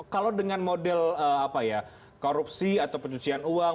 kalau dengan model korupsi atau pencucian uang